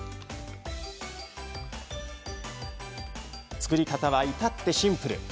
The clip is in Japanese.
作り方は、至ってシンプル。